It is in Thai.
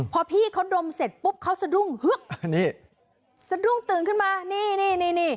พอพี่เขาดมเสร็จปุ๊บเขาสะดุ้งฮึกอันนี้สะดุ้งตื่นขึ้นมานี่นี่นี่